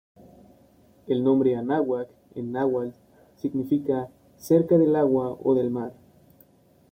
El nombre Anáhuac en náhuatl significa "Cerca del agua o del mar.